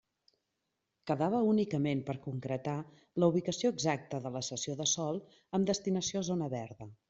Quedava únicament per concretar la ubicació exacta de la cessió de sòl amb destinació a zona verda.